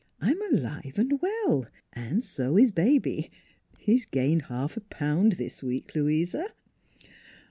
" I'm alive and well, and so is Baby. He's gained half a pound this week, Louisa."